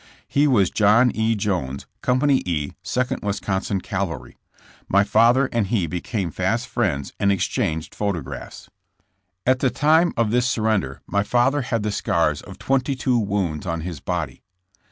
He was John E. Jones, Company E, Sec ond Wisconsin cavalry. My father and he became fast friends and exchanged photographs. CI«OSING DAYS OF THB BORDER WARFARE. 55 At the time of this surrender my father had the scars of twenty two wounds on his body.